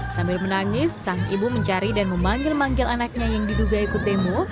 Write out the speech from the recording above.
sambil menangis sang ibu mencari dan memanggil manggil anaknya yang diduga ikut demo